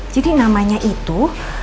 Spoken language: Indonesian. jadi namanya itu